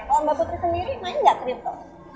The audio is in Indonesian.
kalau mbak putri sendiri main gak crypto